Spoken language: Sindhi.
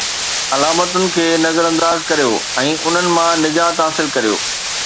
علامتن کي نظر انداز ڪريو ۽ انھن مان نجات حاصل ڪريو